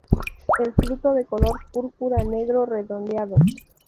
El fruto de color púrpura-negro, redondeado.